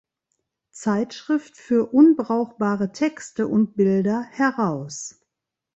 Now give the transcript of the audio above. Zeitschrift für unbrauchbare Texte und Bilder" heraus.